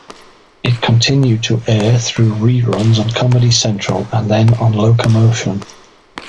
It continued to air through reruns on Comedy Central and then on Locomotion.